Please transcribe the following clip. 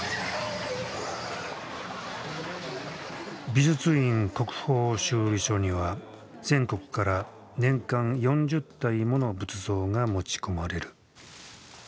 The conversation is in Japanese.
美術院国宝修理所には全国から年間４０体もの仏像が持ち込まれる。